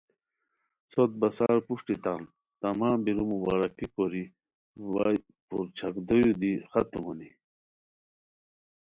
سوت بسار پروشٹی تان تمام بیرو مبارکی کوری وا پورچھاک دویو دی ختم ہونی